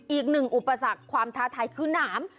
อีกหนึ่งอุปสรรคความท้าทายคือหนาม